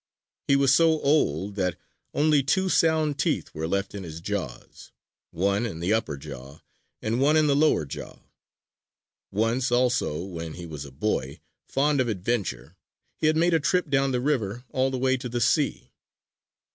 He was so old that only two sound teeth were left in his jaws one in the upper jaw and one in the lower jaw. Once, also, when he was a boy, fond of adventure, he had made a trip down the river all the way to the sea.